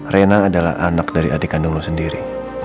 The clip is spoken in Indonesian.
rena adalah anak dari adik kandung lo sendiri